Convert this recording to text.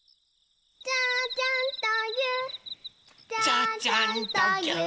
「ちゃちゃんとぎゅっ」